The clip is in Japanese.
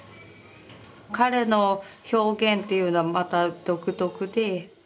彼の表現っていうのはまた独特で。